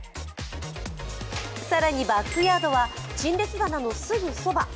更にバックヤードは陳列棚のすぐそば。